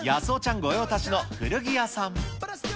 御用達の古着屋さん。